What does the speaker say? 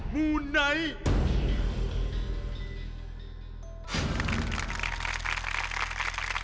มูไนท์